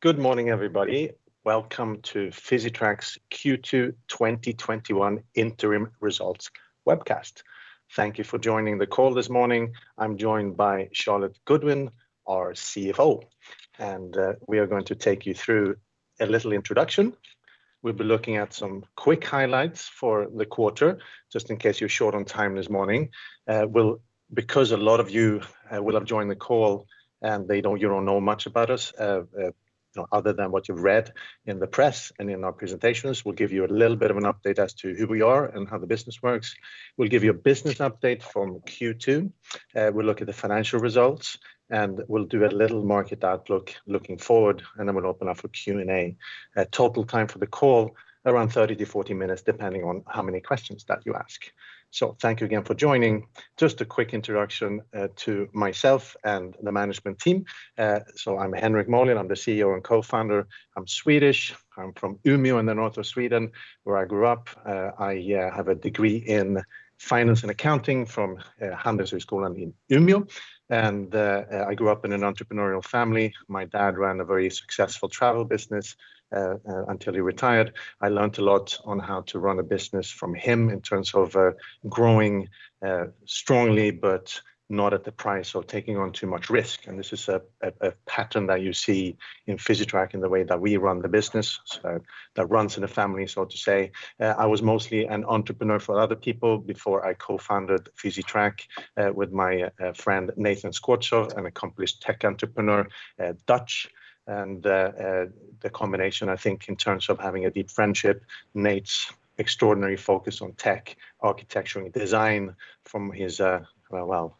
Good morning, everybody. Welcome to Physitrack's Q2 2021 interim results webcast. Thank you for joining the call this morning. I'm joined by Charlotte Goodwin, our CFO, and we are going to take you through a little introduction. We'll be looking at some quick highlights for the quarter, just in case you're short on time this morning. Because a lot of you will have joined the call and you don't know much about us other than what you've read in the press and in our presentations, we'll give you a little bit of an update as to who we are and how the business works. We'll give you a business update from Q2. We'll look at the financial results, and we'll do a little market outlook looking forward, and then we'll open up for Q&A. Total time for the call, around 30-40 minutes, depending on how many questions that you ask. Thank you again for joining. Just a quick introduction to myself and the management team. I'm Henrik Molin. I'm the CEO and co-founder. I'm Swedish. I'm from Umeå in the north of Sweden, where I grew up. I have a degree in finance and accounting from Handelshögskolan in Umeå. I grew up in an entrepreneurial family. My dad ran a very successful travel business until he retired. I learned a lot on how to run a business from him in terms of growing strongly, but not at the price of taking on too much risk. This is a pattern that you see in Physitrack in the way that we run the business. That runs in the family, so to say. I was mostly an entrepreneur for other people before I co-founded Physitrack with my friend Nathan Skwortsow, an accomplished tech entrepreneur, Dutch. The combination, I think, in terms of having a deep friendship, Nate's extraordinary focus on tech, architecture, and design from his well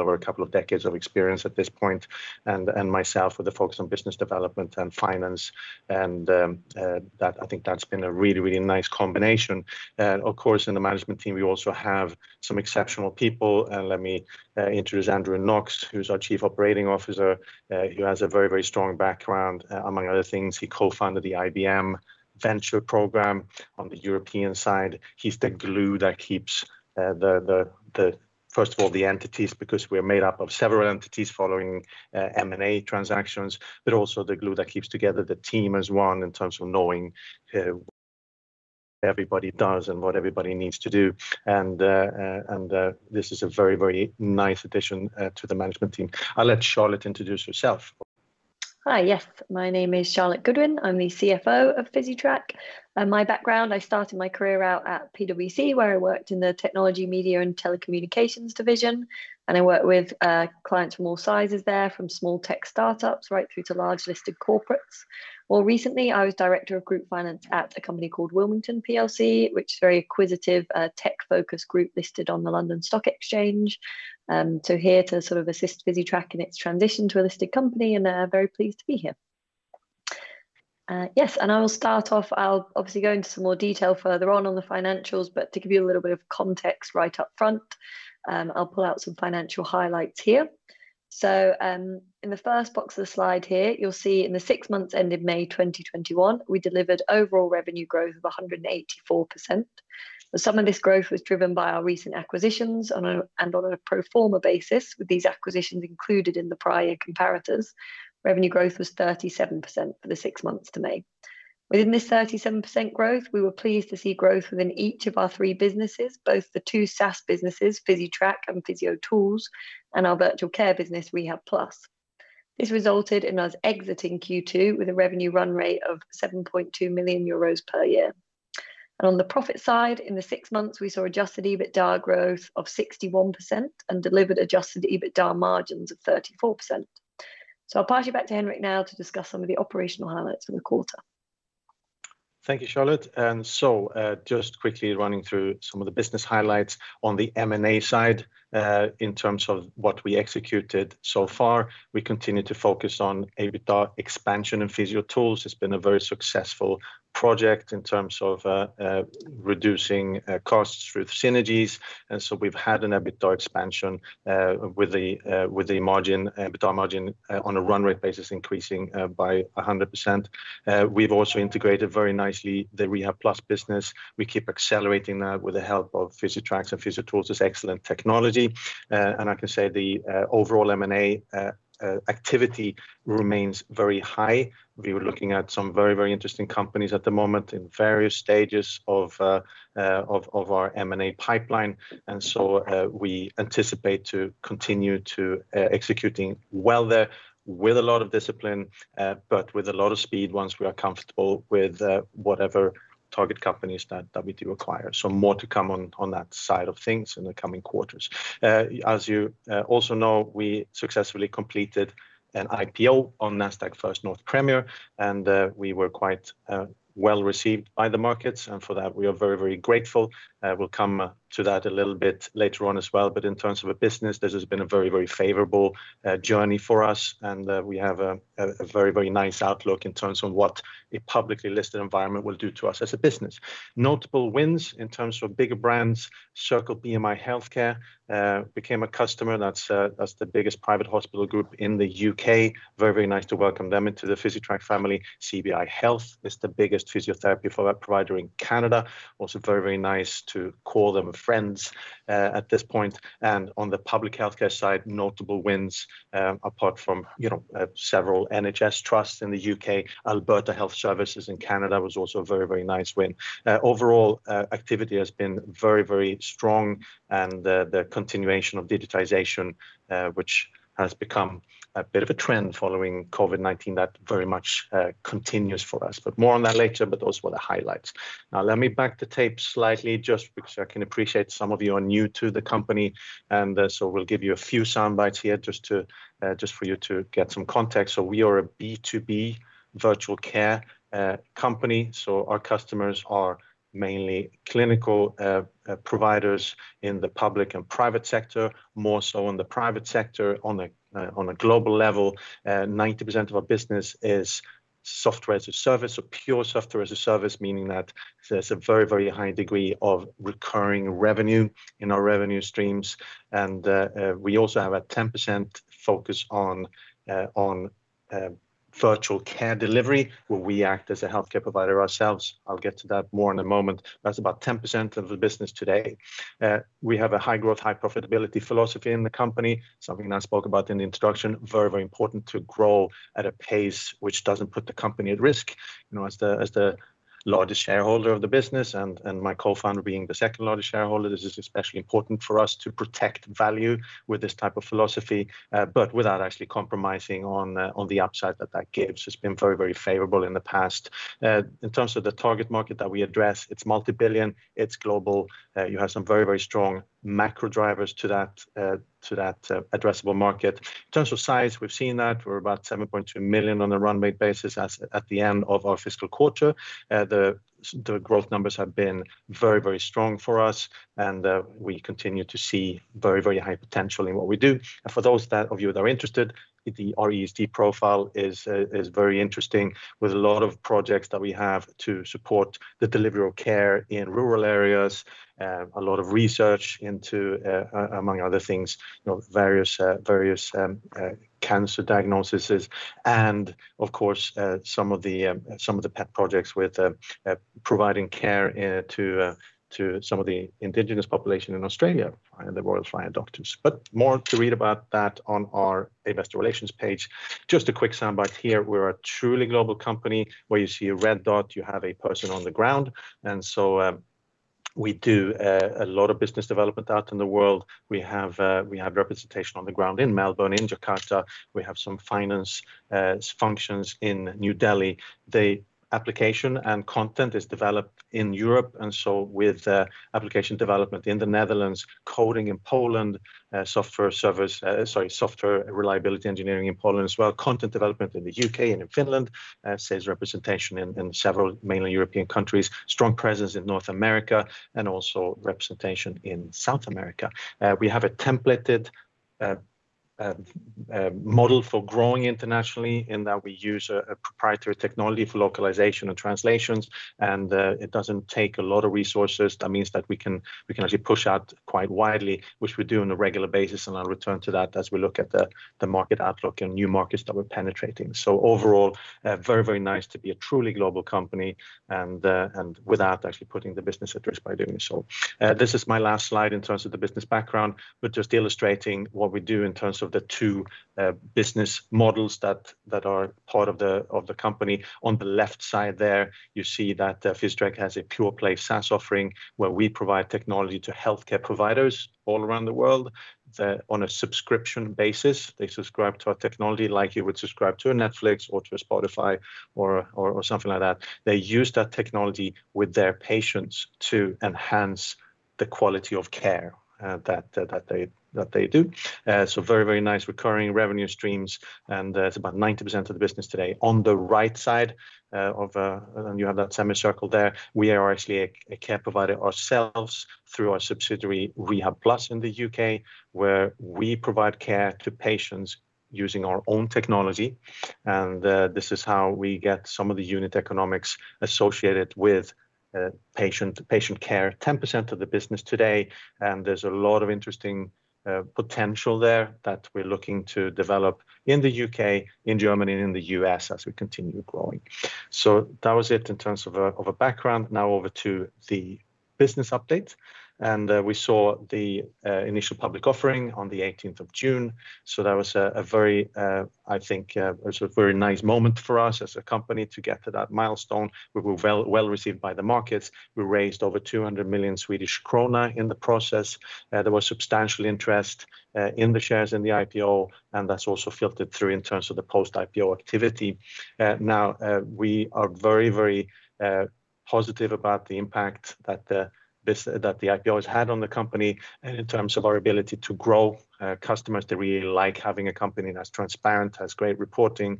over a couple of decades of experience at this point, and myself with the focus on business development and finance. I think that's been a really, really nice combination. Of course, in the management team, we also have some exceptional people. Let me introduce Andrew Knox, who's our Chief Operating Officer, who has a very strong background. Among other things, he co-founded the IBM Venture program on the European side. He's the glue that keeps first of all the entities, because we're made up of several entities following M&A transactions, but also the glue that keeps together the team as one in terms of knowing what everybody does and what everybody needs to do. This is a very nice addition to the management team. I'll let Charlotte introduce herself. Hi, yes. My name is Charlotte Goodwin. I'm the CFO of Physitrack. My background, I started my career out at PwC, where I worked in the technology, media, and telecommunications division. I worked with clients from all sizes there, from small tech startups right through to large listed corporates. More recently, I was director of group finance at a company called Wilmington PLC, which is a very acquisitive tech-focused group listed on the London Stock Exchange. Here to sort of assist Physitrack in its transition to a listed company. Very pleased to be here. Yes. I will start off. I'll obviously go into some more detail further on the financials, but to give you a little bit of context right up front, I'll pull out some financial highlights here. In the first box of the slide here, you'll see in the six months that ended May 2021, we delivered overall revenue growth of 184%. Some of this growth was driven by our recent acquisitions and on a pro forma basis, with these acquisitions included in the prior comparators. Revenue growth was 37% for the 6 months to May. Within this 37% growth, we were pleased to see growth within each of our three businesses, both the two SaaS businesses, Physitrack and Physiotools, and our virtual care business, Rehabplus. This resulted in us exiting Q2 with a revenue run rate of 7.2 million euros per year. On the profit side, in the 6 months, we saw adjusted EBITDA growth of 61% and delivered adjusted EBITDA margins of 34%. I'll pass you back to Henrik now to discuss some of the operational highlights for the quarter. Thank you, Charlotte. Just quickly running through some of the business highlights on the M&A side in terms of what we executed so far. We continue to focus on EBITDA expansion and Physiotools. It's been a very successful project in terms of reducing costs through synergies. We've had an EBITDA expansion with the EBITDA margin on a run rate basis increasing by 100%. We've also integrated very nicely the Rehabplus business. We keep accelerating that with the help of Physitrack's and Physiotools' excellent technology. I can say the overall M&A activity remains very high. We're looking at some very interesting companies at the moment in various stages of our M&A pipeline. We anticipate to continue to executing well there with a lot of discipline, but with a lot of speed once we are comfortable with whatever target companies that we do acquire. More to come on that side of things in the coming quarters. As you also know, we successfully completed an IPO on Nasdaq First North Premier, and we were quite well-received by the markets. For that, we are very grateful. We'll come to that a little bit later on as well. In terms of a business, this has been a very favorable journey for us, and we have a very nice outlook in terms of what a publicly listed environment will do to us as a business. Notable wins in terms of bigger brands, Circle Health Group became a customer. That's the biggest private hospital group in the U.K. Very nice to welcome them into the Physitrack family. CBI Health is the biggest physiotherapy provider in Canada. Also very nice to call them friends at this point, and on the public healthcare side, notable wins apart from several NHS trusts in the U.K. Alberta Health Services in Canada was also a very nice win. Overall activity has been very strong, the continuation of digitization, which has become a bit of a trend following COVID-19, that very much continues for us. More on that later, but those were the highlights. Let me back the tape slightly just because I can appreciate some of you are new to the company, we'll give you a few soundbites here just for you to get some context. We are a B2B virtual care company. Our customers are mainly clinical providers in the public and private sector, more so in the private sector. On a global level, 90% of our business is Software as a Service or pure Software as a Service, meaning that there's a very high degree of recurring revenue in our revenue streams. We also have a 10% focus on virtual care delivery where we act as a healthcare provider ourselves. I'll get to that more in a moment. That's about 10% of the business today. We have a high-growth, high-profitability philosophy in the company, something that I spoke about in the introduction. Very important to grow at a pace which doesn't put the company at risk. As the largest shareholder of the business and my co-founder being the second largest shareholder, this is especially important for us to protect value with this type of philosophy, but without actually compromising on the upside that that gives. It's been very favorable in the past. In terms of the target market that we address, it's multi-billion, it's global. You have some very strong macro drivers to that addressable market. In terms of size, we've seen that we're about 7.2 million on a run rate basis as at the end of our fiscal quarter. The growth numbers have been very strong for us, and we continue to see very high potential in what we do. For those of you that are interested, the rural profile is very interesting with a lot of projects that we have to support the delivery of care in rural areas. A lot of research into, among other things, various cancer diagnoses and, of course, some of the pet projects with providing care to some of the indigenous population in Australia by the Royal Flying Doctor Service. More to read about that on our investor relations page. Just a quick soundbite here. We're a truly global company. Where you see a red dot, you have a person on the ground. We do a lot of business development out in the world. We have representation on the ground in Melbourne, in Jakarta. We have some finance functions in New Delhi. The application and content is developed in Europe, with application development in the Netherlands, coding in Poland, software reliability engineering in Poland as well. Content development in the U.K. and in Finland. Sales representation in several mainland European countries. Strong presence in North America and also representation in South America. We have a templated model for growing internationally in that we use a proprietary technology for localization and translations, and it doesn't take a lot of resources. That means that we can actually push out quite widely, which we do on a regular basis, and I'll return to that as we look at the market outlook and new markets that we're penetrating. Overall, very nice to be a truly global company and without actually putting the business at risk by doing so. This is my last slide in terms of the business background, but just illustrating what we do in terms of the two business models that are part of the company. On the left side there, you see that Physitrack has a pure-play SaaS offering where we provide technology to healthcare providers all around the world on a subscription basis. They subscribe to our technology like you would subscribe to a Netflix or to a Spotify or something like that. They use that technology with their patients to enhance the quality of care that they do. Very nice recurring revenue streams, and that's about 90% of the business today. On the right side, and you have that semicircle there, we are actually a care provider ourselves through our subsidiary, Rehabplus in the U.K., where we provide care to patients using our own technology. This is how we get some of the unit economics associated with patient care, 10% of the business today, there's a lot of interesting potential there that we're looking to develop in the U.K., in Germany, and in the U.S. as we continue growing. That was it in terms of a background. Now over to the business update, we saw the initial public offering on the 18th of June, that was a very nice moment for us as a company to get to that milestone. We were well-received by the markets. We raised over 200 million Swedish krona in the process, and there was substantial interest in the shares in the IPO, that's also filtered through in terms of the post-IPO activity. We are very positive about the impact that the IPO has had on the company in terms of our ability to grow. Customers, they really like having a company that's transparent, has great reporting,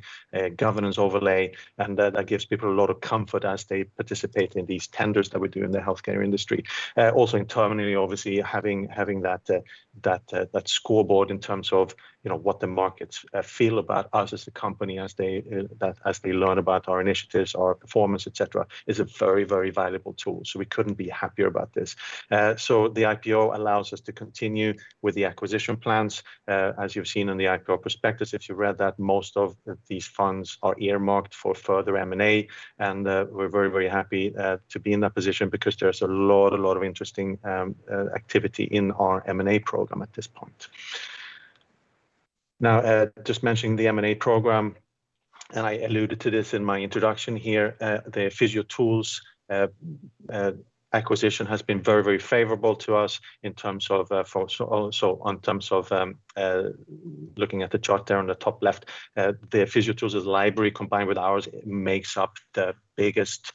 governance overlay, and that gives people a lot of comfort as they participate in these tenders that we do in the healthcare industry. Also importantly, obviously, having that scoreboard in terms of what the markets feel about us as a company as they learn about our initiatives, our performance, et cetera, is a very valuable tool. We couldn't be happier about this. The IPO allows us to continue with the acquisition plans. As you've seen in the IPO prospectus, if you read that, most of these funds are earmarked for further M&A, and we're very happy to be in that position because there's a lot of interesting activity in our M&A program at this point. Just mentioning the M&A program, and I alluded to this in my introduction here. The Physiotools acquisition has been very favorable to us in terms of looking at the chart there on the top left. The Physiotools' library combined with ours makes up the biggest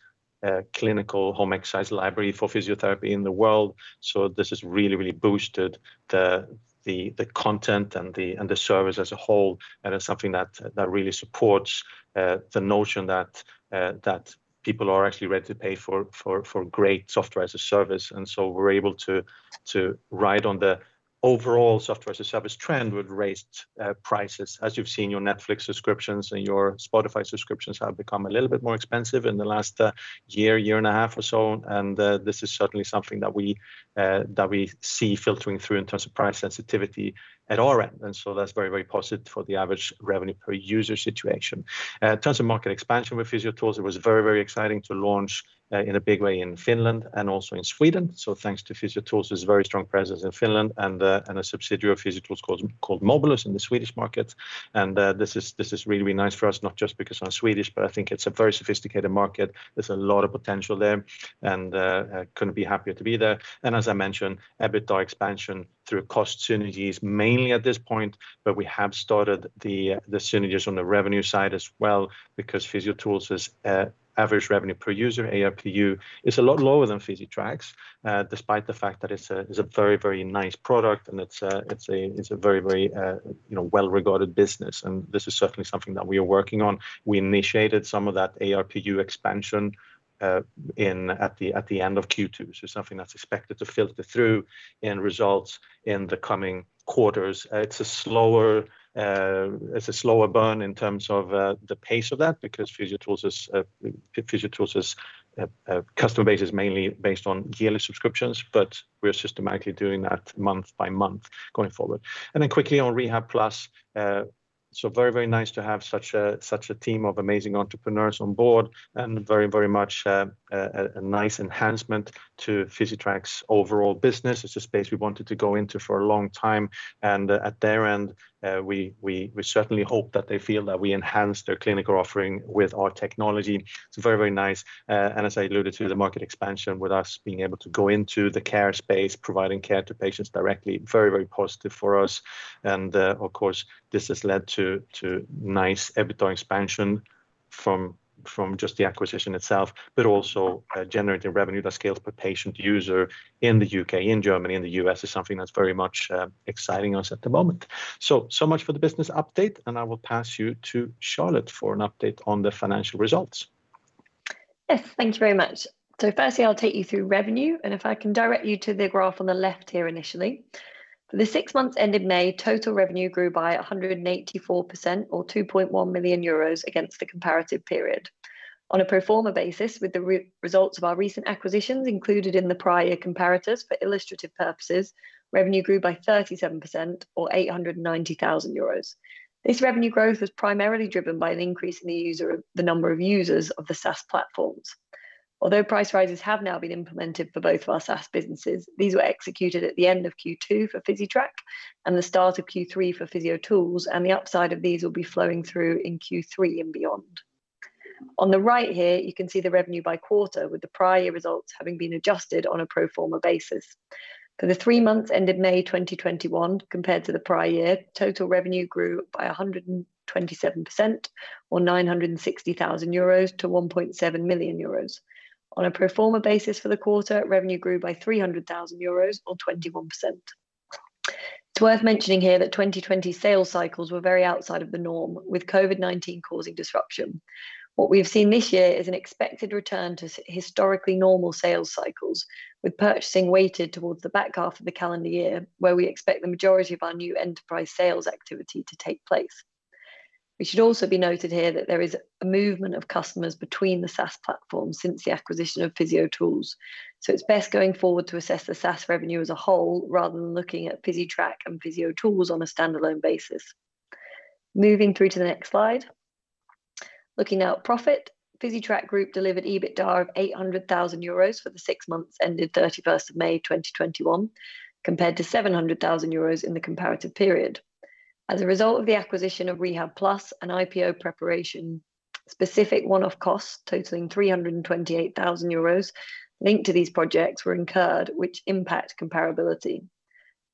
clinical home exercise library for physiotherapy in the world. This has really, really boosted the content and the service as a whole, and it's something that really supports the notion that people are actually ready to pay for great Software as a Service. We're able to ride on the overall Software as a Service trend with raised prices. As you've seen, your Netflix subscriptions and your Spotify subscriptions have become a little bit more expensive in the last year and a half or so. This is certainly something that we see filtering through in terms of price sensitivity at our end. That's very, very positive for the average revenue per user situation. In terms of market expansion with Physiotools, it was very, very exciting to launch in a big way in Finland and also in Sweden. Thanks to Physiotools' very strong presence in Finland and a subsidiary of Physiotools called Mobilus in the Swedish market. This is really, really nice for us, not just because I'm Swedish, but I think it's a very sophisticated market. There's a lot of potential there, and I couldn't be happier to be there. As I mentioned, EBITDA expansion through cost synergies mainly at this point, but we have started the synergies on the revenue side as well because Physiotools is average revenue per user, ARPU. It's a lot lower than Physitrack's, despite the fact that it's a very, very nice product and it's a very well-regarded business. This is certainly something that we are working on. We initiated some of that ARPU expansion at the end of Q2. Something that's expected to filter through in results in the coming quarters. It's a slower burn in terms of the pace of that because Physiotools' customer base is mainly based on yearly subscriptions, but we're systematically doing that month by month going forward. Quickly on Rehabplus. Very, very nice to have such a team of amazing entrepreneurs on board and very much a nice enhancement to Physitrack's overall business. It's a space we wanted to go into for a long time. At their end, we certainly hope that they feel that we enhance their clinical offering with our technology. It's very, very nice. As I alluded to, the market expansion with us being able to go into the care space, providing care to patients directly, very, very positive for us. Of course, this has led to nice EBITDA expansion from just the acquisition itself, but also generating revenue that scales per patient user in the U.K., in Germany, in the U.S. is something that's very much exciting us at the moment. Much for the business update, and I will pass you to Charlotte for an update on the financial results. Thank you very much. Firstly, I'll take you through revenue, and if I can direct you to the graph on the left here initially. The six months ended May, total revenue grew by 184% or 2.1 million euros against the comparative period. On a pro forma basis, with the results of our recent acquisitions included in the prior comparators for illustrative purposes, revenue grew by 37% or 890,000 euros. This revenue growth was primarily driven by an increase in the number of users of the SaaS platforms. Although price rises have now been implemented for both of our SaaS businesses, these were executed at the end of Q2 for Physitrack and the start of Q3 for Physiotools, and the upside of these will be flowing through in Q3 and beyond. On the right here, you can see the revenue by quarter, with the prior results having been adjusted on a pro forma basis. For the three months ended May 2021 compared to the prior year, total revenue grew by 127% or 960,000 euros to 1.7 million euros. On a pro forma basis for the quarter, revenue grew by 300,000 euros or 21%. It is worth mentioning here that 2020 sales cycles were very outside of the norm, with COVID-19 causing disruption. What we have seen this year is an expected return to historically normal sales cycles, with purchasing weighted towards the back half of the calendar year, where we expect the majority of our new enterprise sales activity to take place. It should also be noted here that there is a movement of customers between the SaaS platforms since the acquisition of Physiotools. It's best going forward to assess the SaaS revenue as a whole rather than looking at Physitrack and Physiotools on a standalone basis. Moving through to the next slide. Looking at profit, Physitrack Group delivered EBITDA of 800,000 euros for the six months ended 31st May 2021, compared to 700,000 euros in the comparative period. As a result of the acquisition of Rehabplus and IPO preparation, specific one-off costs totaling 328,000 euros linked to these projects were incurred, which impact comparability.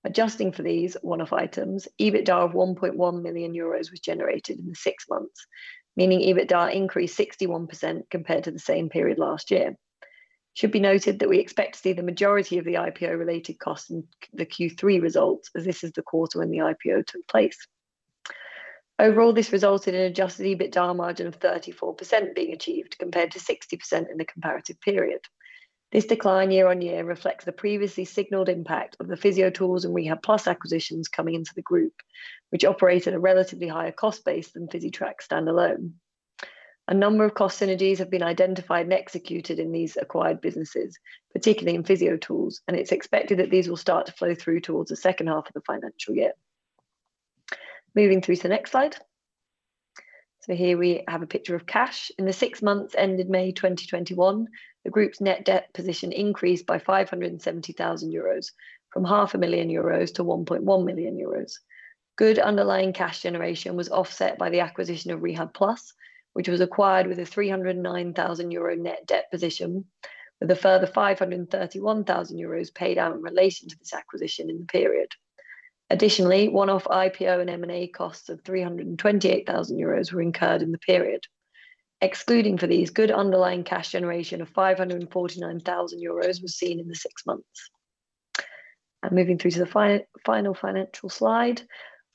Adjusting for these one-off items, EBITDA of 1.1 million euros was generated in the six months, meaning EBITDA increased 61% compared to the same period last year. It should be noted that we expect to see the majority of the IPO-related costs in the Q3 results, as this is the quarter when the IPO took place. Overall, this resulted in an an adjusted EBITDA margin of 34% being achieved compared to 60% in the comparative period. This decline year-on-year reflects the previously signaled impact of the Physiotools and Rehabplus acquisitions coming into the group, which operate at a relatively higher cost base than Physitrack standalone. A number of cost synergies have been identified and executed in these acquired businesses, particularly in Physiotools, and it's expected that these will start to flow through towards the second half of the financial year. Moving through to the next slide. Here we have a picture of cash. In the six months ended May 2021, the group's net debt position increased by 570,000 euros, from half a million EUR to 1.1 million euros. Good underlying cash generation was offset by the acquisition of Rehabplus, which was acquired with a 309,000 euro net debt position. With a further 531,000 euros paid out in relation to this acquisition in the period. Additionally, one-off IPO and M&A costs of EUR 328,000 were incurred in the period. Excluding for these, good underlying cash generation of EUR 549,000 was seen in the six months. Moving through to the final financial slide.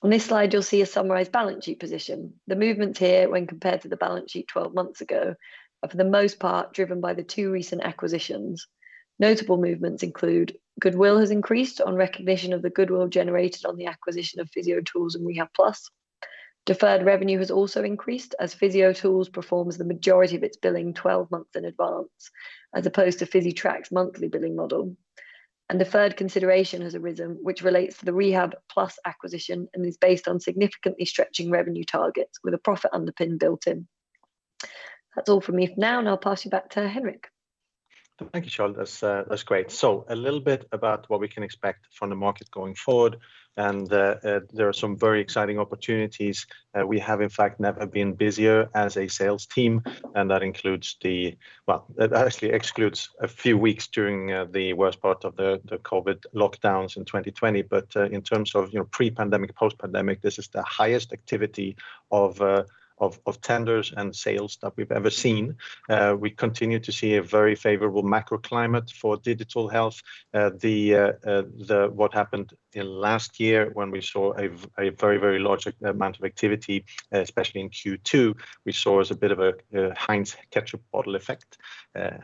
On this slide, you'll see a summarized balance sheet position. The movements here when compared to the balance sheet 12 months ago, are for the most part driven by the two recent acquisitions. Notable movements include goodwill has increased on recognition of the goodwill generated on the acquisition of Physiotools and Rehabplus. Deferred revenue has also increased as Physiotools performs the majority of its billing 12 months in advance, as opposed to Physitrack's monthly billing model. Deferred consideration has arisen, which relates to the Rehabplus acquisition and is based on significantly stretching revenue targets with a profit underpin built in. That's all from me for now, and I'll pass you back to Henrik. Thank you, Charlotte, that's great. A little bit about what we can expect from the market going forward. There are some very exciting opportunities. We have in fact never been busier as a sales team, that actually excludes a few weeks during the worst part of the COVID lockdowns in 2020. In terms of pre-pandemic, post-pandemic, this is the highest activity of tenders and sales that we've ever seen. We continue to see a very favorable macro climate for digital health. What happened in last year when we saw a very large amount of activity, especially in Q2, we saw as a bit of a Heinz ketchup bottle effect,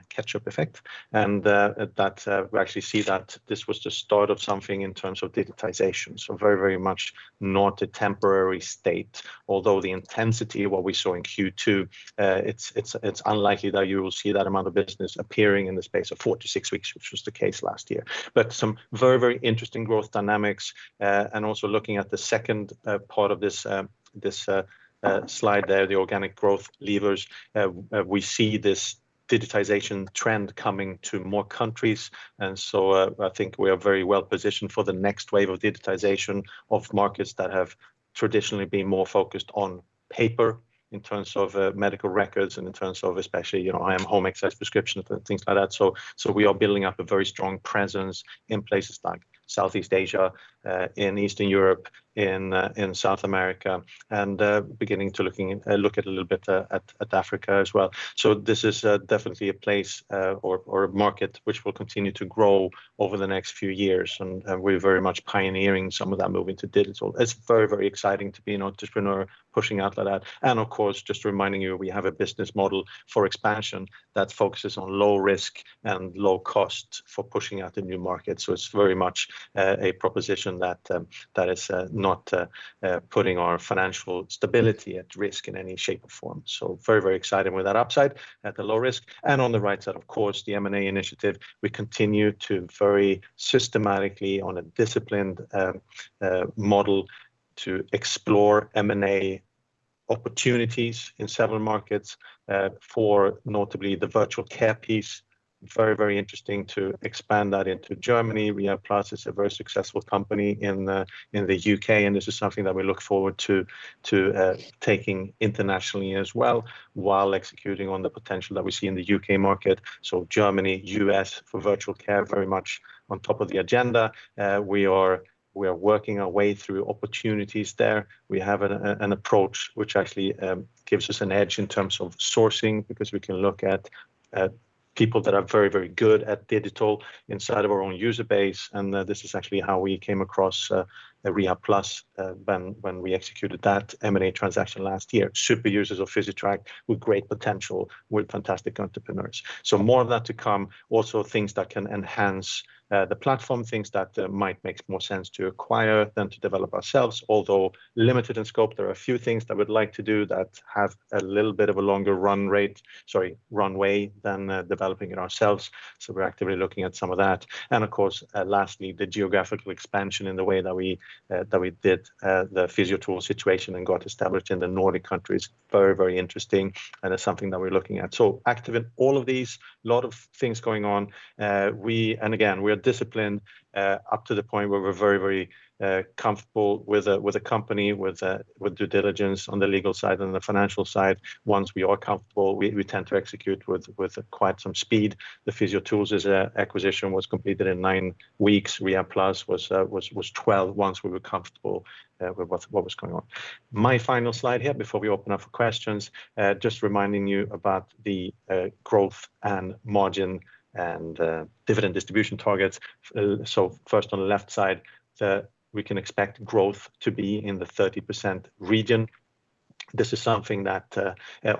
ketchup effect. That we actually see that this was the start of something in terms of digitization. Very much not a temporary state, although the intensity, what we saw in Q2, it is unlikely that you will see that amount of business appearing in the space of 4-6 weeks, which was the case last year. Some very interesting growth dynamics. Also looking at the second part of this slide there, the organic growth levers. We see this digitization trend coming to more countries. I think we are very well positioned for the next wave of digitization of markets that have traditionally been more focused on paper in terms of medical records and in terms of especially home access prescriptions and things like that. We are building up a very strong presence in places like Southeast Asia, in Eastern Europe, in South America, and beginning to look a little bit at Africa as well. This is definitely a place or a market which will continue to grow over the next few years, and we're very much pioneering some of that move into digital. It's very exciting to be an entrepreneur pushing out like that. Of course, just reminding you, we have a business model for expansion that focuses on low risk and low cost for pushing out the new market. It's very much a proposition that is not putting our financial stability at risk in any shape or form. Very excited with that upside at the low risk. On the right side, of course, the M&A initiative. We continue to very systematically on a disciplined model to explore M&A opportunities in several markets for notably the virtual care piece. Very interesting to expand that into Germany. Rehabplus is a very successful company in the U.K., this is something that we look forward to taking internationally as well while executing on the potential that we see in the U.K. market. Germany, U.S. for virtual care, very much on top of the agenda. We are working our way through opportunities there. We have an approach which actually gives us an edge in terms of sourcing because we can look at people that are very good at digital inside of our own user base. This is actually how we came across Rehabplus when we executed that M&A transaction last year. Super users of Physitrack with great potential, with fantastic entrepreneurs. More of that to come. Also things that can enhance the platform, things that might make more sense to acquire than to develop ourselves. Although limited in scope, there are a few things that we'd like to do that have a little bit of a longer run rate, sorry, runway than developing it ourselves. We're actively looking at some of that. Of course, lastly, the geographical expansion in the way that we did the Physiotools situation and got established in the Nordic countries. Very interesting and it's something that we're looking at. Active in all of these, lot of things going on. Again, we are disciplined up to the point where we're very comfortable with a company, with due diligence on the legal side and the financial side. Once we are comfortable, we tend to execute with quite some speed. The Physiotools acquisition was completed in nine weeks, Rehabplus was 12 once we were comfortable with what was going on. My final slide here before we open up for questions. Just reminding you about the growth and margin and dividend distribution targets. First on the left side, we can expect growth to be in the 30% region. This is something that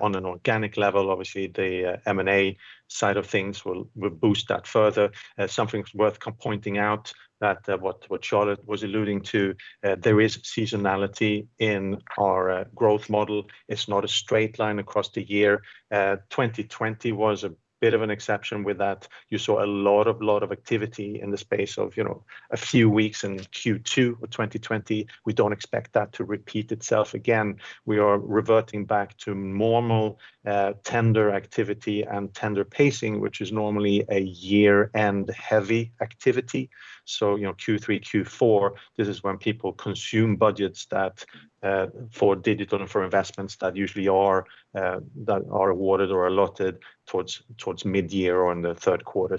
on an organic level, obviously the M&A side of things will boost that further. Something's worth pointing out that what Charlotte was alluding to, there is seasonality in our growth model. It's not a straight line across the year. 2020 was a bit of an exception with that. You saw a lot of activity in the space of a few weeks in Q2 of 2020. We don't expect that to repeat itself again. We are reverting back to normal tender activity and tender pacing, which is normally a year-end heavy activity. Q3, Q4, this is when people consume budgets for digital and for investments that usually are awarded or allotted towards mid-year or in the third quarter.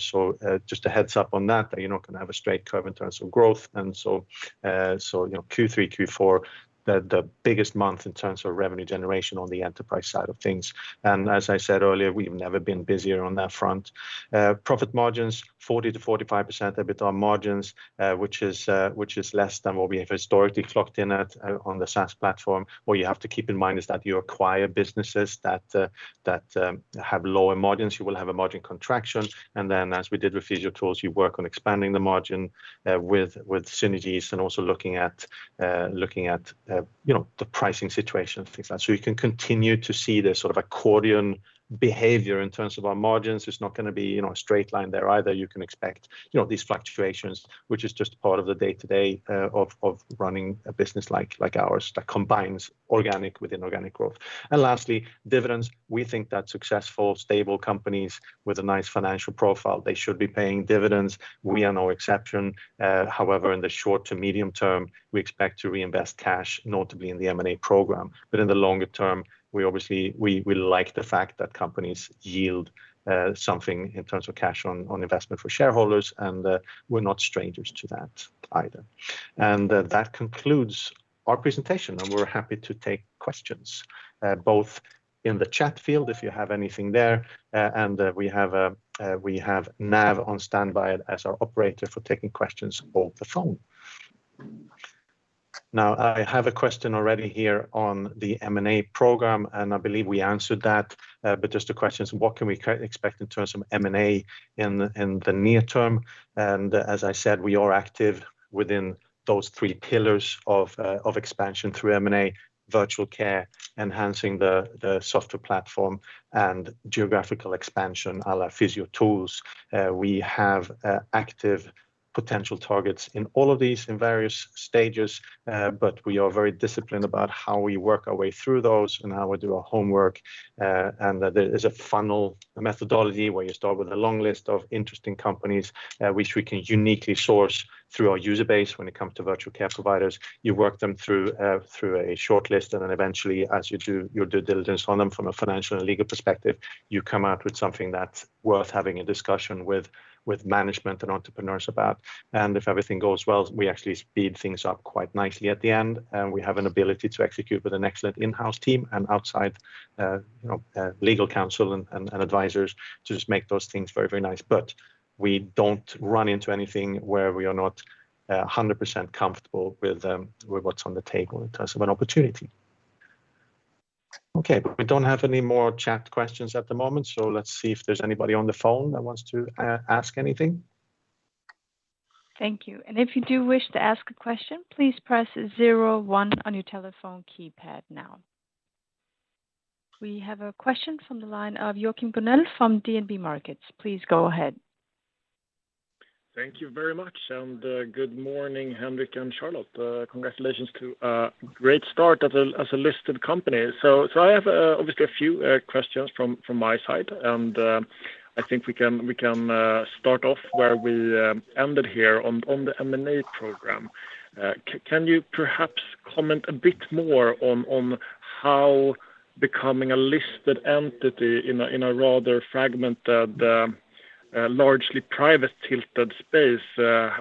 Just a heads-up on that you're not going to have a straight curve in terms of growth. Q3, Q4, the biggest month in terms of revenue generation on the enterprise side of things. As I said earlier, we've never been busier on that front. Profit margins, 40%-45% EBITDA margins, which is less than what we have historically clocked in at on the SaaS platform. What you have to keep in mind is that you acquire businesses that have lower margins. You will have a margin contraction. As we did with Physiotools, you work on expanding the margin with synergies and also looking at the pricing situation and things like that. You can continue to see the sort of accordion behavior in terms of our margins. It's not going to be a straight line there either. You can expect these fluctuations, which is just part of the day-to-day of running a business like ours that combines organic with inorganic growth. Lastly, dividends. We think that successful, stable companies with a nice financial profile, they should be paying dividends. We are no exception. However, in the short to medium term, we expect to reinvest cash, notably in the M&A program. In the longer term, we like the fact that companies yield something in terms of cash on investment for shareholders, and we're not strangers to that either. That concludes our presentation, and we're happy to take questions, both in the chat field, if you have anything there. We have Nav on standby as our operator for taking questions over the phone. I have a question already here on the M&A program, and I believe we answered that. Just the question is, what can we expect in terms of M&A in the near term? As I said, we are active within those three pillars of expansion through M&A, virtual care, enhancing the software platform, and geographical expansion, à la Physiotools. We have active potential targets in all of these in various stages. We are very disciplined about how we work our way through those and how we do our homework. That there's a funnel methodology where you start with a long list of interesting companies, which we can uniquely source through our user base when it comes to virtual care providers. You work them through a shortlist. Eventually, as you do your due diligence on them from a financial and legal perspective, you come out with something that's worth having a discussion with management and entrepreneurs about. If everything goes well, we actually speed things up quite nicely at the end. We have an ability to execute with an excellent in-house team and outside legal counsel and advisors to just make those things very, very nice. We don't run into anything where we are not 100% comfortable with what's on the table in terms of an opportunity. Okay. We don't have any more chat questions at the moment. Let's see if there's anybody on the phone that wants to ask anything. Thank you. If you do wish to ask a question, please press zero, one on your telephone keypad now. We have a question from the line of Joachim Gunell from DNB Markets. Please go ahead. Thank you very much, and good morning, Henrik and Charlotte. Congratulations to a great start as a listed company. I have obviously a few questions from my side, and I think we can start off where we ended here on the M&A program. Can you perhaps comment a bit more on how becoming a listed entity in a rather fragmented, largely private-tilted space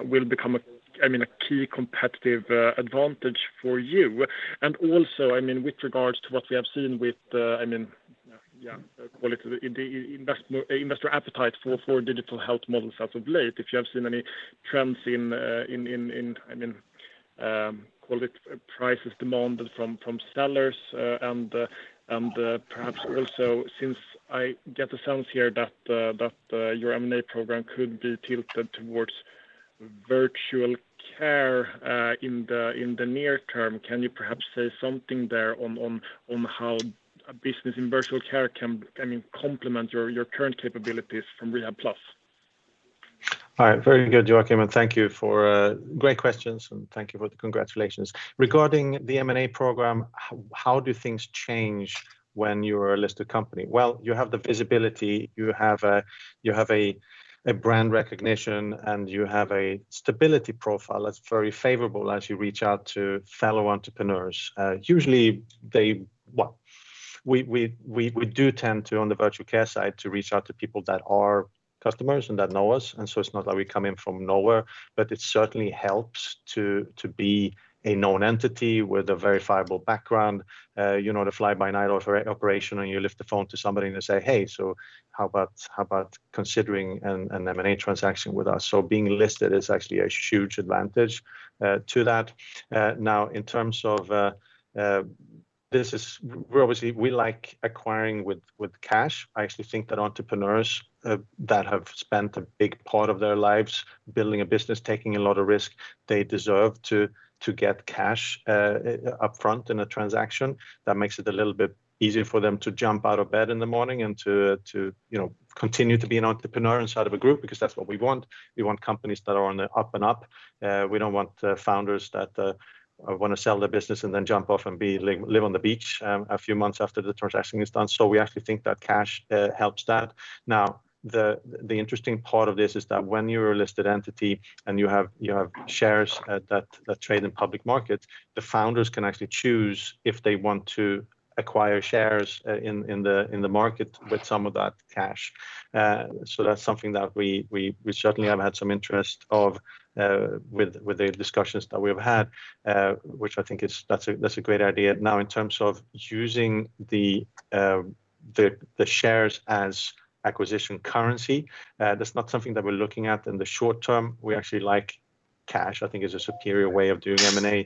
will become a key competitive advantage for you? Also, with regards to what we have seen with the investor appetite for digital health models as of late, if you have seen any trends in quality prices demanded from sellers? Perhaps also, since I get a sense here that your M&A program could be tilted towards virtual care in the near term, can you perhaps say something there on how a business in virtual care can complement your current capabilities from Rehabplus? All right. Very good, Joachim, and thank you for great questions, and thank you for the congratulations. Regarding the M&A program, how do things change when you're a listed company? Well, you have the visibility, you have a brand recognition, and you have a stability profile that's very favorable as you reach out to fellow entrepreneurs. Usually, we do tend to, on the virtual care side, to reach out to people that are customers and that know us. It's not like we come in from nowhere, but it certainly helps to be a known entity with a verifiable background. You're not a fly-by-night operation and you lift the phone to somebody and they say, "Hey, so how about considering an M&A transaction with us?" Being listed is actually a huge advantage to that. Now, obviously, we like acquiring with cash. I actually think that entrepreneurs that have spent a big part of their lives building a business, taking a lot of risk, they deserve to get cash upfront in a transaction. That makes it a little bit easier for them to jump out of bed in the morning and to continue to be an entrepreneur inside of a group, because that's what we want. We want companies that are on the up and up. We don't want founders that want to sell their business and then jump off and live on the beach a few months after the transaction is done. We actually think that cash helps that. The interesting part of this is that when you're a listed entity and you have shares that trade in public markets, the founders can actually choose if they want to acquire shares in the market with some of that cash. That's something that we certainly have had some interest of with the discussions that we've had, which I think that's a great idea. In terms of using the shares as acquisition currency, that's not something that we're looking at in the short term. We actually like cash, I think it's a superior way of doing M&A.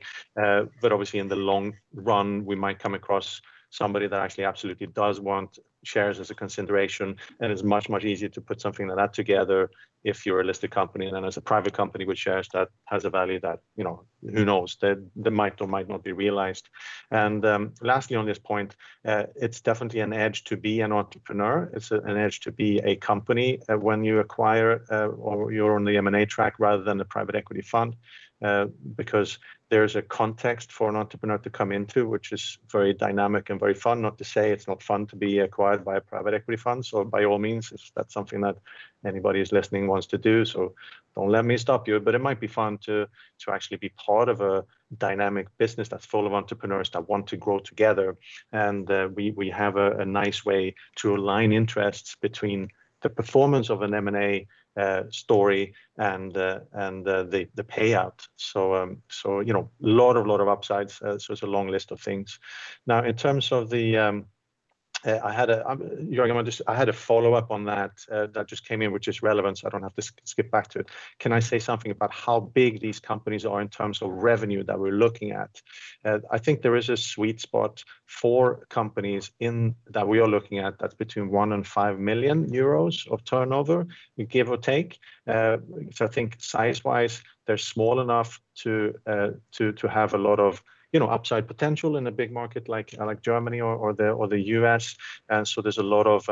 Obviously in the long run, we might come across somebody that actually absolutely does want shares as a consideration, and it's much easier to put something like that together if you're a listed company than as a private company with shares that has a value that, who knows, that might or might not be realized. Lastly on this point, it's definitely an edge to be an entrepreneur. It's an edge to be a company when you acquire or you're on the M&A track rather than the private equity fund, because there is a context for an entrepreneur to come into, which is very dynamic and very fun. Not to say it's not fun to be acquired by a private equity fund. By all means, if that's something that anybody who's listening wants to do, so don't let me stop you, but it might be fun to actually be part of a dynamic business that's full of entrepreneurs that want to grow together. We have a nice way to align interests between the performance of an M&A story and the payout. A lot of upsides. It's a long list of things. Now, Joachim, I had a follow-up on that that just came in, which is relevant, so I don't have to skip back to it. Can I say something about how big these companies are in terms of revenue that we're looking at? I think there is a sweet spot for companies that we are looking at, that's between 1 and 5 million euros of turnover, give or take. I think size-wise, they're small enough to have a lot of upside potential in a big market like Germany or the U.S. There's a lot of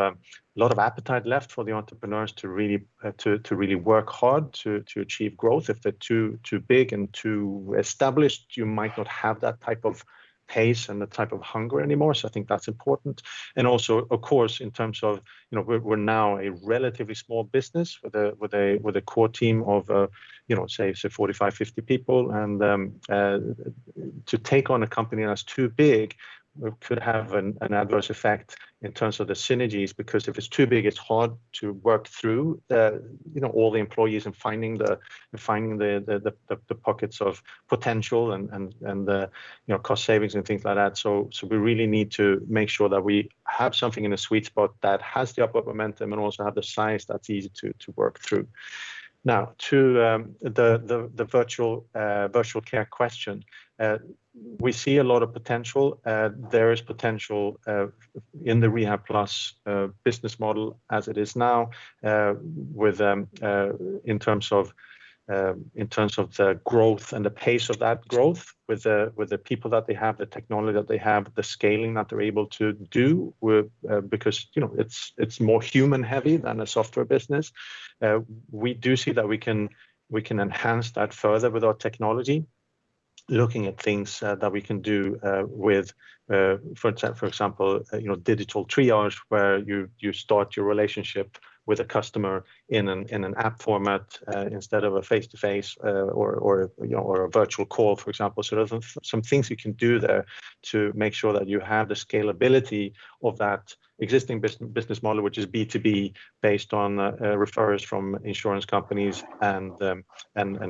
appetite left for the entrepreneurs to really work hard to achieve growth. If they're too big and too established, you might not have that type of pace and that type of hunger anymore. I think that's important. Also, of course in terms of we're now a relatively small business with a core team of, say, 45, 50 people, and to take on a company that's too big could have an adverse effect in terms of the synergies, because if it's too big, it's hard to work through all the employees and finding the pockets of potential and the cost savings and things like that. We really need to make sure that we have something in the sweet spot that has the upward momentum and also have the size that's easy to work through. Now, to the virtual care question. We see a lot of potential. There is potential in the Rehabplus business model as it is now, in terms of the growth and the pace of that growth with the people that they have, the technology that they have, the scaling that they're able to do, because it's more human-heavy than a software business. We do see that we can enhance that further with our technology, looking at things that we can do with, for example, digital triage, where you start your relationship with a customer in an app format instead of a face-to-face or a virtual call, for example. There's some things you can do there to make sure that you have the scalability of that existing business model, which is B2B, based on referrals from insurance companies and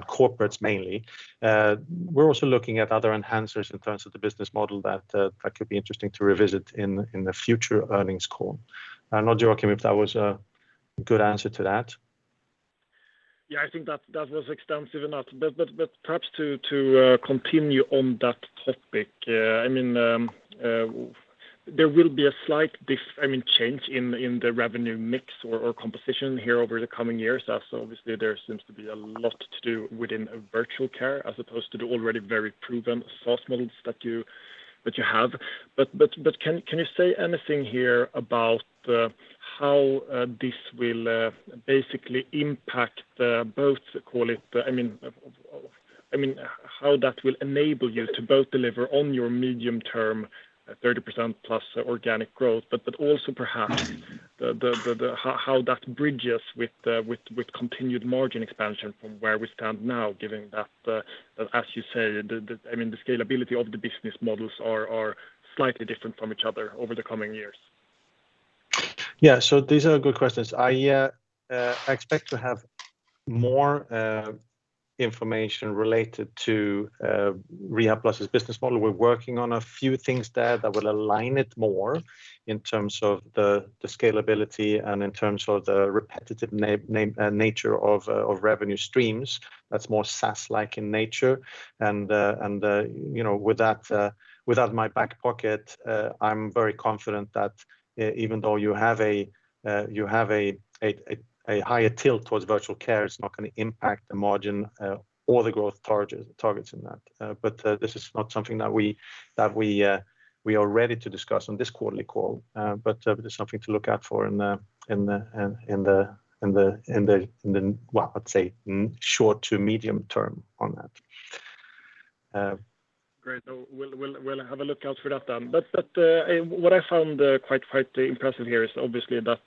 corporates mainly. We're also looking at other enhancers in terms of the business model that could be interesting to revisit in the future earnings call. I don't know, Joachim, if that was a good answer to that. Yeah, I think that was extensive enough. Perhaps to continue on that topic, there will be a slight change in the revenue mix or composition here over the coming years, as obviously there seems to be a lot to do within virtual care, as opposed to the already very proven SaaS models that you have. Can you say anything here about how this will basically impact both how that will enable you to both deliver on your medium-term 30% plus organic growth, but also perhaps how that bridges with continued margin expansion from where we stand now, given that, as you say, the scalability of the business models are slightly different from each other over the coming years? These are good questions. I expect to have more information related to Rehabplus's business model. We're working on a few things there that will align it more in terms of the scalability and in terms of the repetitive nature of revenue streams that's more SaaS-like in nature. With that in my back pocket, I'm very confident that even though you have a higher tilt towards virtual care, it's not going to impact the margin or the growth targets in that. This is not something that we are ready to discuss on this quarterly call. There's something to look out for in the, well, I'd say short to medium term on that. Great. We'll have a lookout for that then. What I found quite impressive here is obviously that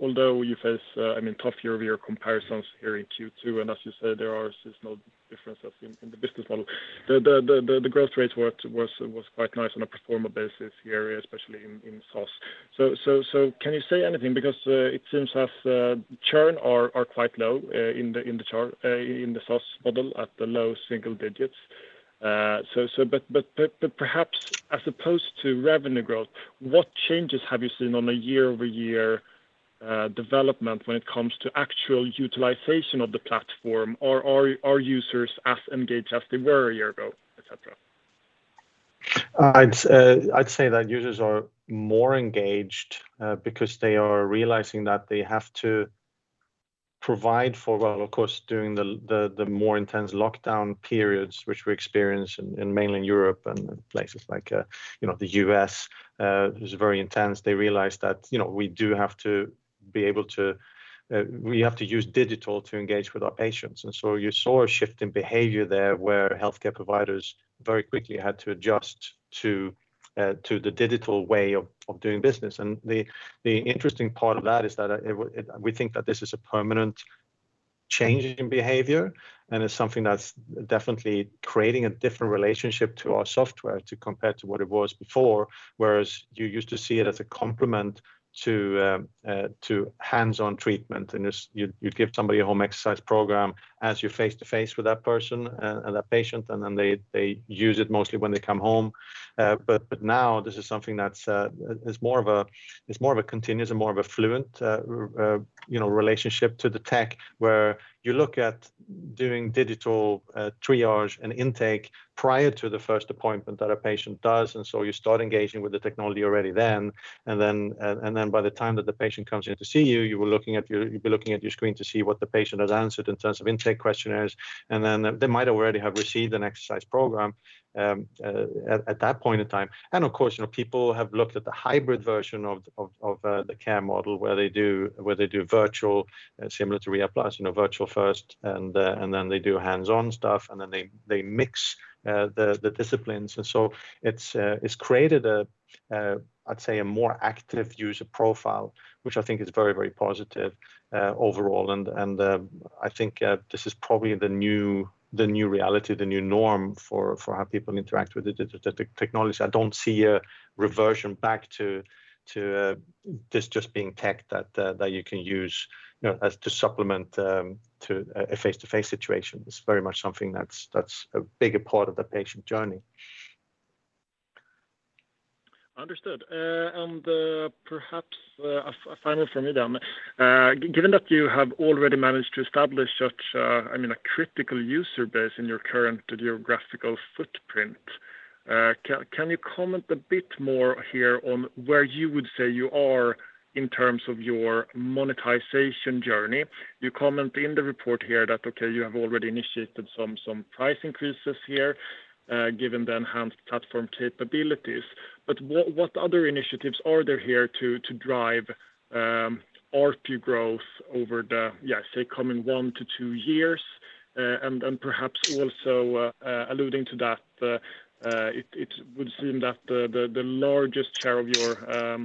although you face tough year-over-year comparisons here in Q2, and as you said, there are no differences in the business model. The growth rate was quite nice on a pro forma basis here, especially in SaaS. Can you say anything because it seems as churn are quite low in the SaaS model at the low single digits. Perhaps as opposed to revenue growth, what changes have you seen on a year-over-year development when it comes to actual utilization of the platform? Are users as engaged as they were a year ago, et cetera? I'd say that users are more engaged because they are realizing that they have to provide for, well, of course, during the more intense lockdown periods which we experience in mainland Europe and places like the U.S. was very intense. They realized that we have to use digital to engage with our patients. You saw a shift in behavior there where healthcare providers very quickly had to adjust to the digital way of doing business. The interesting part of that is that we think that this is a permanent change in behavior, and it's something that's definitely creating a different relationship to our software compared to what it was before. Whereas you used to see it as a complement to hands-on treatment, and you'd give somebody a home exercise program as you're face-to-face with that person and that patient, and then they use it mostly when they come home. Now this is something that is more of a continuous and more of a fluent relationship to the tech, where you look at doing digital triage and intake prior to the first appointment that a patient does. You start engaging with the technology already then, and then by the time that the patient comes in to see you'll be looking at your screen to see what the patient has answered in terms of intake questionnaires. They might already have received an exercise program at that point in time. Of course, people have looked at the hybrid version of the care model where they do virtual similar to Rehabplus, virtual first, and then they do hands-on stuff, and then they mix the disciplines. So it's created a, I'd say, a more active user profile, which I think is very, very positive overall. I think this is probably the new reality, the new norm for how people interact with the digital technology. I don't see a reversion back to this just being tech that you can use to supplement to a face-to-face situation. It's very much something that's a bigger part of the patient journey. Understood. Perhaps a final from me then. Given that you have already managed to establish such a critical user base in your current geographical footprint, can you comment a bit more here on where you would say you are in terms of your monetization journey? You comment in the report here that you have already initiated some price increases here given the enhanced platform capabilities. What other initiatives are there here to drive ARPU growth over the coming 1-2 years? Perhaps also alluding to that, it would seem that the largest share of your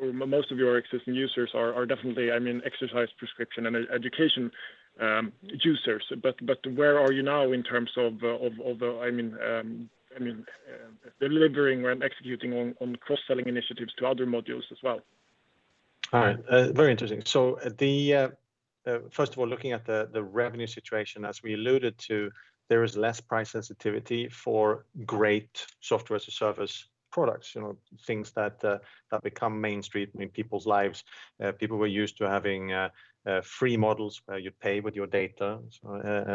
or most of your existing users are definitely exercise prescription and education users. Where are you now in terms of delivering and executing on cross-selling initiatives to other modules as well? All right, very interesting. First of all, looking at the revenue situation, as we alluded to, there is less price sensitivity for great Software as a Service product. Things that become mainstream in people's lives. People were used to having free models where you pay with your data,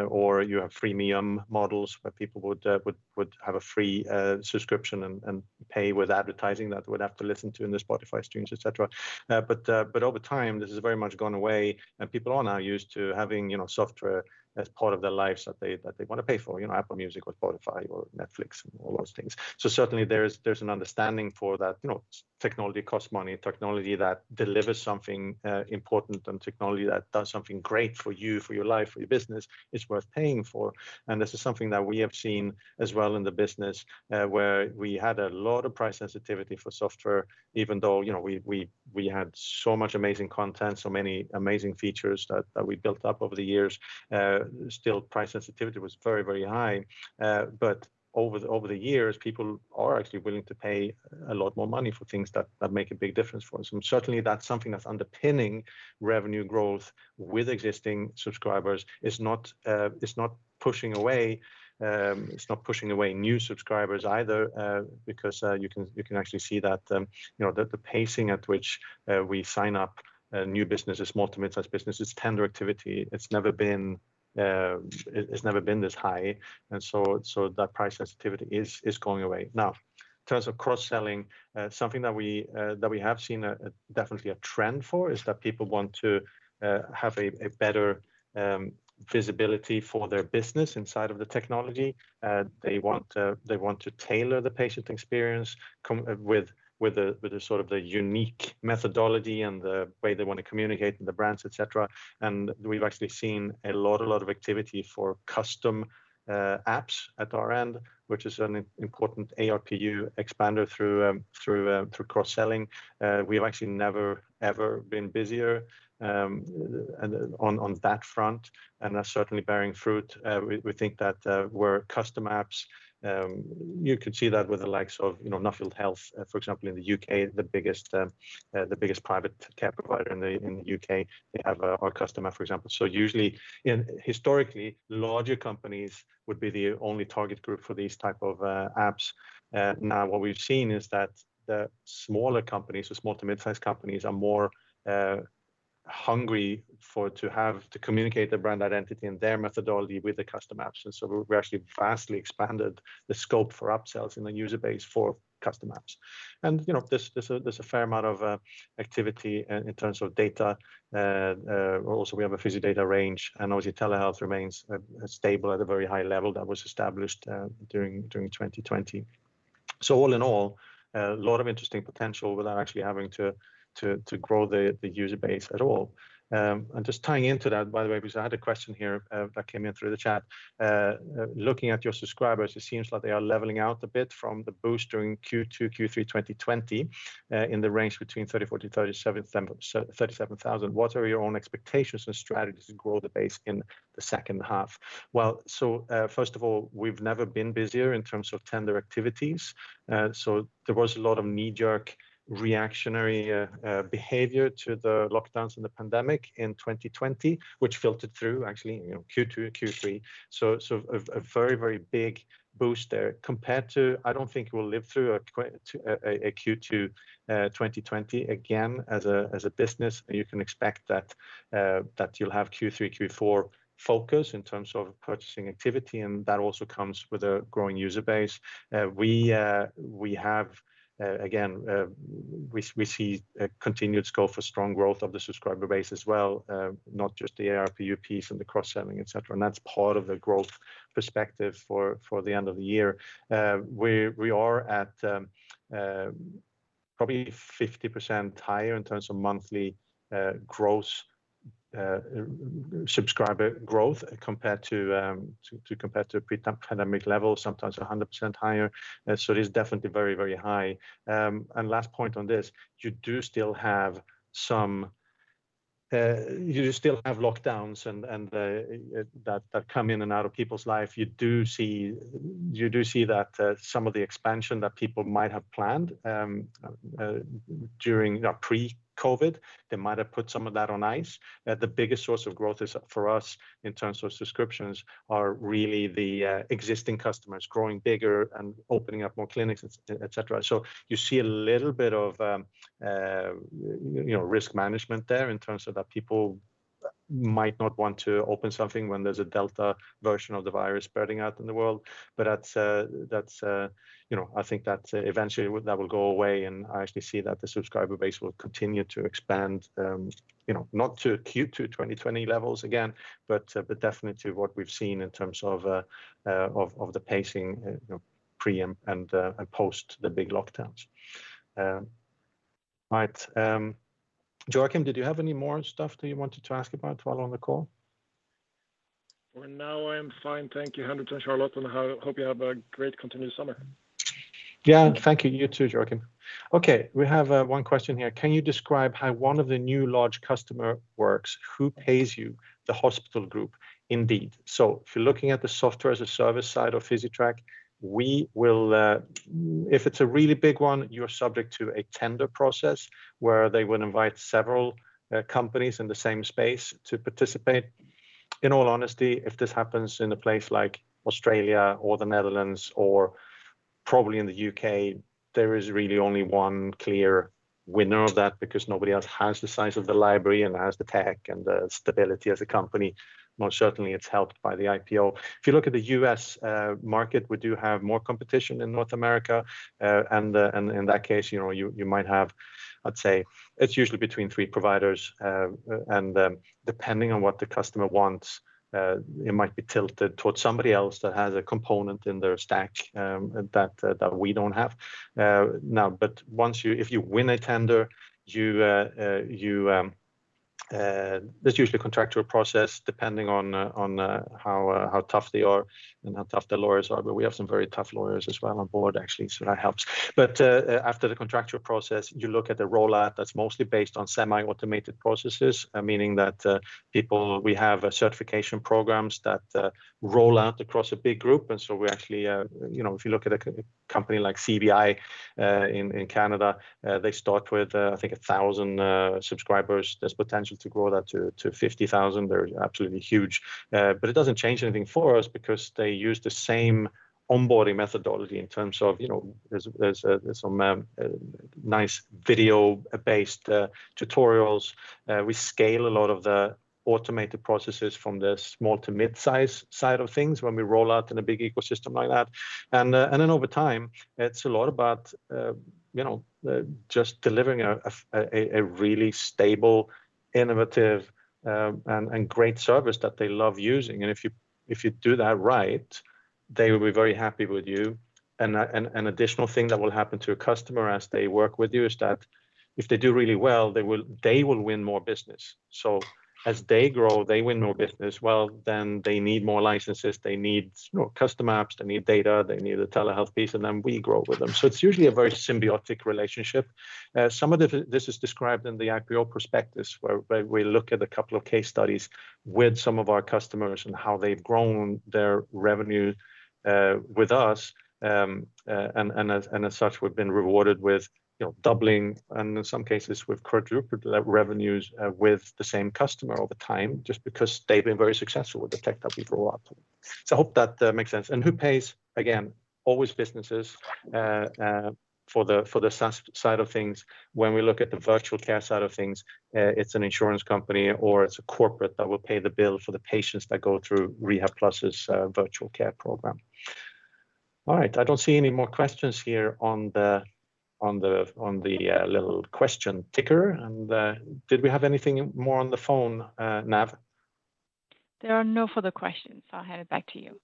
or you have freemium models where people would have a free subscription and pay with advertising that they would have to listen to in their Spotify streams, et cetera. Over time, this has very much gone away, and people are now used to having software as part of their lives that they want to pay for. Apple Music or Spotify or Netflix and all those things. Certainly there's an understanding for that technology costs money, technology that delivers something important, and technology that does something great for you, for your life, for your business, is worth paying for. This is something that we have seen as well in the business, where we had a lot of price sensitivity for software, even though we had so much amazing content, so many amazing features that we built up over the years. Still, price sensitivity was very, very high, but over the years, people are actually willing to pay a lot more money for things that make a big difference for us. Certainly, that's something that's underpinning revenue growth with existing subscribers is not pushing away new subscribers either because you can actually see that the pacing at which we sign up new businesses, small to midsize businesses, tender activity, it's never been this high, that price sensitivity is going away. In terms of cross-selling, something that we have seen definitely a trend for is that people want to have a better visibility for their business inside of the technology. They want to tailor the patient experience with a sort of unique methodology and the way they want to communicate, and the brands, et cetera. We've actually seen a lot of activity for custom apps at our end, which is an important ARPU expander through cross-selling. We have actually never, ever been busier on that front, and that's certainly bearing fruit. We think that where custom apps, you could see that with the likes of Nuffield Health, for example, in the U.K., the biggest private care provider in the U.K. They have our customer, for example. Usually, historically, larger companies would be the only target group for these type of apps. What we've seen is that smaller companies or small-to-mid-size companies are more hungry to communicate their brand identity and their methodology with the custom apps. We've actually vastly expanded the scope for upsells in the user base for custom apps. There's a fair amount of activity in terms of data. Also, we have a PhysiData range, and obviously telehealth remains stable at a very high level that was established during 2020. All in all, a lot of interesting potential without actually having to grow the user base at all. Just tying into that, by the way, because I had a question here that came in through the chat. Looking at your subscribers, it seems like they are leveling out a bit from the boost during Q2, Q3 2020, in the range between 30,000, 40,000, 37,000. What are your own expectations and strategies to grow the base in the second half? First of all, we've never been busier in terms of tender activities. There was a lot of knee-jerk reactionary behavior to the lockdowns and the pandemic in 2020, which filtered through actually Q2 and Q3. A very big boost there compared to, I don't think we'll live through a Q2 2020 again as a business. You can expect that you'll have Q3, Q4 focus in terms of purchasing activity, and that also comes with a growing user base. We see a continued scope for strong growth of the subscriber base as well, not just the ARPU piece and the cross-selling, et cetera, and that's part of the growth perspective for the end of the year. We are at probably 50% higher in terms of monthly subscriber growth compared to pre-pandemic levels, sometimes 100% higher. It is definitely very high. Last point on this, you do still have lockdowns that come in and out of people's life. You do see that some of the expansion that people might have planned during pre-COVID, they might have put some of that on ice. The biggest source of growth for us in terms of subscriptions are really the existing customers growing bigger and opening up more clinics, et cetera. You see a little bit of risk management there in terms of that people might not want to open something when there's a delta version of the virus spreading out in the world. I think that eventually that will go away, and I actually see that the subscriber base will continue to expand. Not to Q2 2020 levels again, but definitely what we've seen in terms of the pacing pre and post the big lockdowns. Right. Joachim, did you have any more stuff that you wanted to ask about while on the call? For now, I am fine, thank you, 100%. Charlotte, hope you have a great continued summer. Yeah. Thank you, you too, Joachim. Okay, we have one question here. "Can you describe how one of the new large customer works? Who pays you, the hospital group?" Indeed. If you're looking at the Software as a Service side of Physitrack, if it's a really big one, you're subject to a tender process where they would invite several companies in the same space to participate. In all honesty, if this happens in a place like Australia or the Netherlands or probably in the U.K., there is really only one clear winner of that because nobody else has the size of the library and has the tech and the stability as a company. Most certainly, it's helped by the IPO. If you look at the U.S. market, we do have more competition in North America. In that case, you might have, I'd say, it's usually between three providers. Depending on what the customer wants, it might be tilted towards somebody else that has a component in their stack that we don't have. If you win a tender, there's usually a contractual process depending on how tough they are and how tough the lawyers are. We have some very tough lawyers as well on board, actually, so that helps. After the contractual process, you look at the rollout that's mostly based on semi-automated processes, meaning that we have certification programs that roll out across a big group. If you look at a company like CBI in Canada, they start with, I think, 1,000 subscribers. There's potential to grow that to 50,000. They're absolutely huge. It doesn't change anything for us because they use the same onboarding methodology in terms of, there's some nice video-based tutorials. We scale a lot of the automated processes from the small to mid-size side of things when we roll out in a big ecosystem like that. Over time, it's a lot about just delivering a really stable, innovative and great service that they love using. If you do that right, they will be very happy with you. An additional thing that will happen to a customer as they work with you is that if they do really well, they will win more business. As they grow, they win more business. Well, they need more licenses, they need custom apps, they need data, they need a telehealth piece, we grow with them. It's usually a very symbiotic relationship. Some of this is described in the IPO prospectus, where we look at a couple of case studies with some of our customers and how they've grown their revenue with us. As such, we've been rewarded with doubling, and in some cases, we've quadrupled revenues with the same customer over time, just because they've been very successful with the tech that we've rolled out. I hope that makes sense. Who pays? Again, always businesses for the SaaS side of things. When we look at the virtual care side of things, it's an insurance company or it's a corporate that will pay the bill for the patients that go through Rehabplus' virtual care program. All right. I don't see any more questions here on the little question ticker. Did we have anything more on the phone, Nav? There are no further questions. I'll hand it back to you.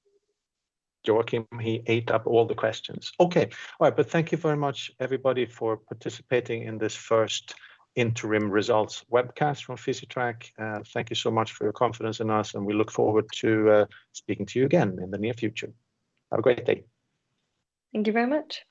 Joachim, he ate up all the questions. Okay. All right, thank you very much, everybody, for participating in this first interim results webcast from Physitrack. Thank you so much for your confidence in us, and we look forward to speaking to you again in the near future. Have a great day. Thank you very much.